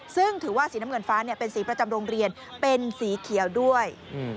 ซึ่งถือว่าสีน้ำเงินฟ้าเป็นสีประจำโรงเรียนเป็นสีเขียวด้วย